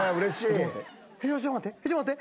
ちょっと待って。